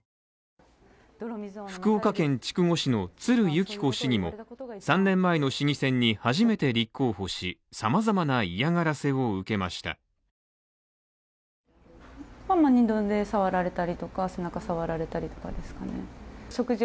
福岡県筑後市の鶴佑季子市議も３年前の市議選に初めて立候補し、様々な嫌がらせを受けました。